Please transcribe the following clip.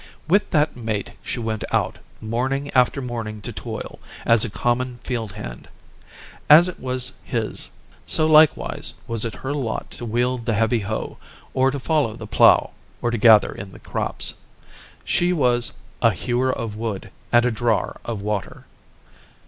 With that mate she went out, morning after morning to toil, as a common field hand. As it was his, so likewise was it her lot to wield the heavy hoe, or to follow the plow, or to gather in the crops. She was a "hewer of wood and a drawer of water."